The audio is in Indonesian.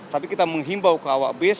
tapi kita menghimbau ke awak bus